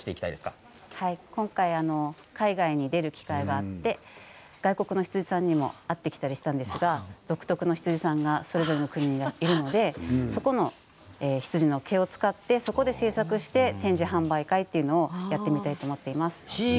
こうやって海外に出る機会があって外国の羊さんにも会ってきたんですが独特な羊さんがそれぞれの国にいるのでその羊の毛を使ってそこで展示販売会をやってみたいと思います。